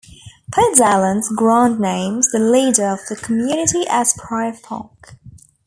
FitzAlan's grant names the leader of the community as Prior Fulk.